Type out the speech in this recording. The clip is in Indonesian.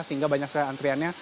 sehingga banyak sekali antriannya